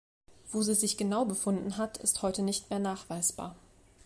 Wo sie sich genau befunden hat, ist heute nicht mehr nachweisbar.